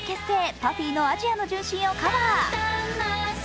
ＰＵＦＦＹの「アジアの純真」をカバー。